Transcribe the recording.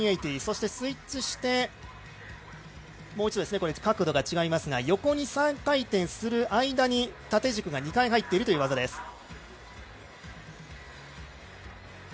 そしてスイッチして、もう一度、角度が違いますが横に３回転する間に、縦軸が２回入っているという技です。